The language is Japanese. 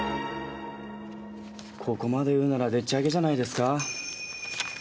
ここまで言うならでっちあげじゃないですか？